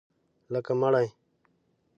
لکه مړی